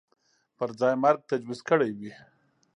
پر ځای مرګ تجویز کړی وي